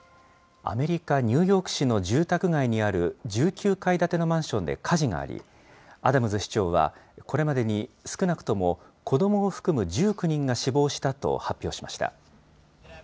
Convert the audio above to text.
アメリカ・ニューヨーク市の住宅街にある１９階建てのマンションで火事があり、アダムズ市長は、これまでに少なくとも子どもを含む１９人が死亡したと発表しました。